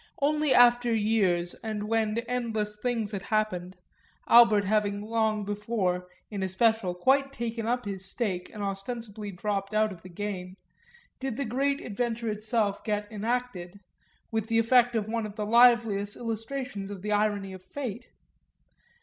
Only after years and when endless things had happened Albert having long before, in especial, quite taken up his stake and ostensibly dropped out of the game did the great adventure get itself enacted, with the effect of one of the liveliest illustrations of the irony of fate.